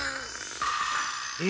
え？